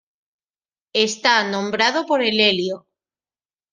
Está nombrado por el helio.